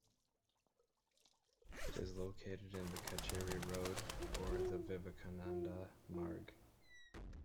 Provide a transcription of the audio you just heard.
It is located in the Katcheri road or the Vivekananda marg.